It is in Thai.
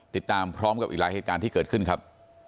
ติดตามพร้อมกับอีกหลายเหตุการณ์ที่เกิดขึ้นครับ